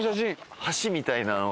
橋みたいなのが。